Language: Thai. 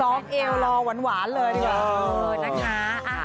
ตอกเอวรอหวานเลยนะครับ